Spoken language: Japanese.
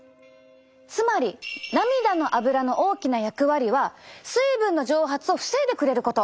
つまり涙のアブラの大きな役割は水分の蒸発を防いでくれること！